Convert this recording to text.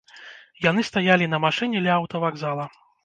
Яны стаялі на машыне ля аўтавакзала.